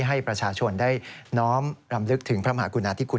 ให้ประชาชนได้น้อมรำลึกถึงพระมหากุณาธิคุณ